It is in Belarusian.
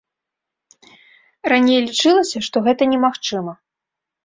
Раней лічылася, што гэта немагчыма.